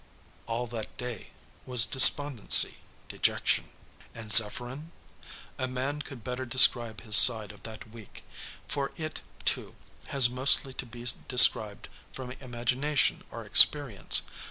[Illustration: "ALL THAT DAY WAS DESPONDENCY, DEJECTION."] And Zepherin? A man could better describe his side of that week; for it, too, has mostly to be described from imagination or experience.